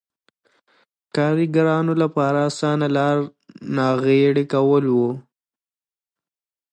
کارګرانو لپاره اسانه لار ناغېړي کول و.